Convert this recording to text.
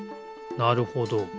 なるほど。